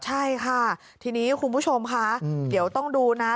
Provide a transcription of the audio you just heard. ใช่ค่ะทีนี้คุณผู้ชมค่ะเดี๋ยวต้องดูนะ